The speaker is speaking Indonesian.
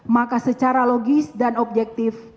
maka secara logis dan objektif